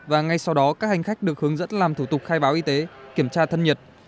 và ngay sau đó các hành khách được hướng dẫn làm thủ tục khai báo y tế kiểm tra thân nhiệt